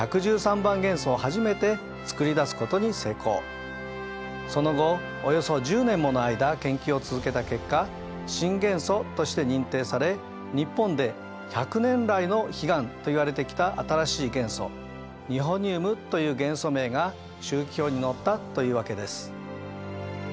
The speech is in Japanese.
そしてその後およそ１０年もの間研究を続けた結果新元素として認定され日本で１００年来の悲願といわれてきた新しい元素ニホニウムという元素名が周期表に載ったというわけです。